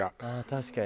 確かに。